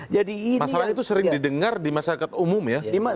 masalahnya itu sering didengar di masyarakat umum ya